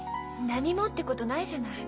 「何も」ってことないじゃない。